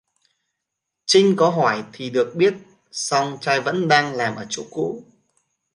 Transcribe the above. Chinh có hỏi thì được biết song trai vẫn đang làm ở chỗ cũ